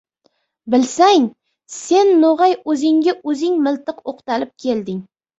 Bilsang — sen no‘g‘ay o‘zingga o‘zing miltiq o‘qtalib kelding!